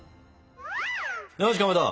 よしかまど